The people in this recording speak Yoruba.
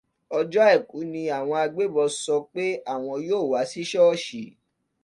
Ọjọ́ Àìkú ni àwọn agbébọn sọ pé àwọn yóò wá sí ṣọ́ọ́ṣì